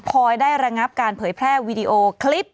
ได้ระงับการเผยแพร่วีดีโอคลิป